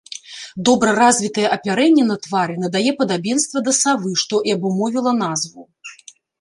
Добра развітае апярэнне на твары надае падабенства да савы, што і абумовіла назву.